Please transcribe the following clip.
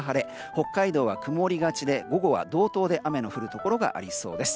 北海道は曇りがちで午後は道東で雨の降るところがありそうです。